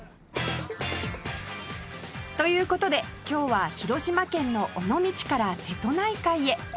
という事で今日は広島県の尾道から瀬戸内海へ